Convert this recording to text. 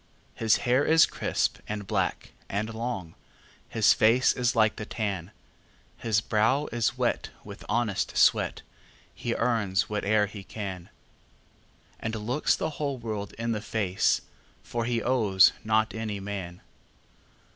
His hair is crisp, and black, and long, His face is like the tan; His brow is wet with honest sweat, He earns whate'er he can, And looks the whole world in the face, For he owes not any man.